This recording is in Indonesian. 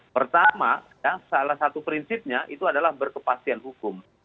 pertama salah satu prinsipnya itu adalah berkepastian hukum